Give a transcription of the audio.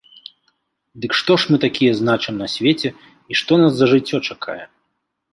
Дык што ж мы такія значым на свеце і што нас за жыццё чакае?